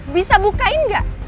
bisa bukain gak